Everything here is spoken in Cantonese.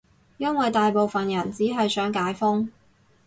因爲大部分人只係想解封